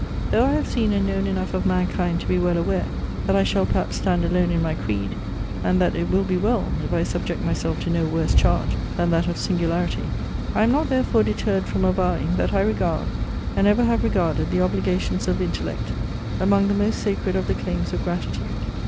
Though I have seen and known enough of mankind to be well aware, that I shall perhaps stand alone in my creed, and that it will be well, if I subject myself to no worse charge than that of singularity; I am not therefore deterred from avowing, that I regard, and ever have regarded the obligations of intellect among the most sacred of the claims of gratitude.